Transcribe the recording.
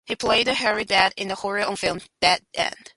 He played the harried dad in the horror film "Dead End".